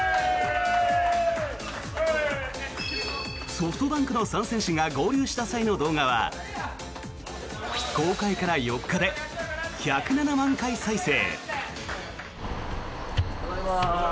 ソフトバンクの３選手が合流した際の動画は後悔から４日で１０７万回再生。